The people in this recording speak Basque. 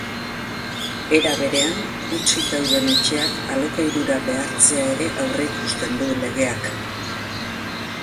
Era berean, hutsik dauden etxeak alokairura behartzea ere aurreikusten du legeak.